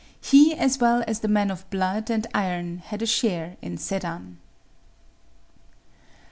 He as well as the men of blood and iron had a share in Sedan.